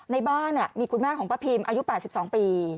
ในบ้านมีคุณแม่ของป้าพิมอายุ๘๒ปี